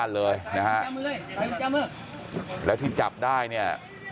และที่จับได้